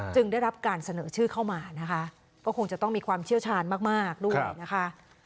ได้รับการเสนอชื่อเข้ามานะคะก็คงจะต้องมีความเชี่ยวชาญมากด้วยนะคะ